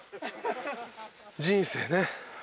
人生ね。